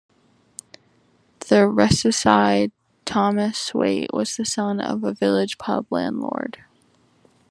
The regicide Thomas Waite was the son of a village pub landlord.